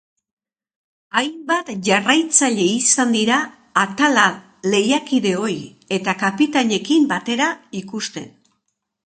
Hainbat jarraitzaile izan dira atala lehiakide ohi eta kapitainekin batera ikusten.